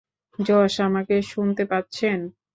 Josh, আমাকে শুনতে পাচ্ছেন?